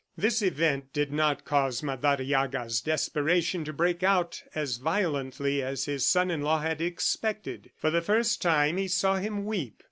This event did not cause Madariaga's desperation to break out as violently as his son in law had expected. For the first time, he saw him weep.